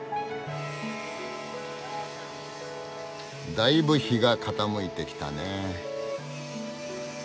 だいぶ日が傾いてきたね。